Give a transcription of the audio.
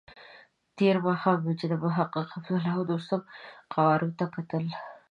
تېر ماښام مې چې د محقق، عبدالله او دوستم قوارو ته کتل.